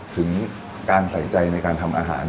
ถึงการใส่ใจในการทำอาหาร